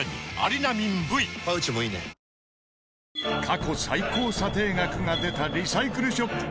過去最高査定額が出たリサイクルショップ